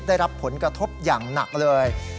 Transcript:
ได้รับผลกระทบอย่างหนักเลย